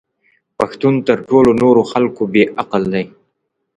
پښتون تر ټولو نورو خلکو بې عقل دی!